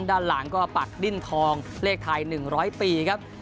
ด้านหลังก็ปักดิ้นทองเลขไทย๑๐๐ปีครับ